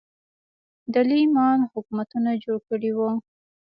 دیلمیان حکومتونه جوړ کړي وو